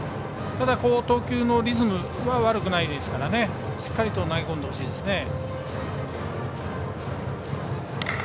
ただ、投球のリズムは悪くないですからしっかりと投げ込んでほしいです。